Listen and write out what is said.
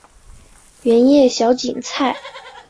圆叶小堇菜